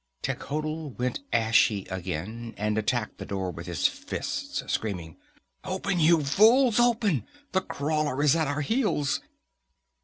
Techotl went ashy again and attacked the door with his fists, screaming: "Open, you fools, open! The Crawler is at our heels!"